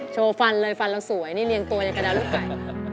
โชว์ฟันเลยฟันเราสวยนี่เรียงตัวอย่างกระดาษลูกไข่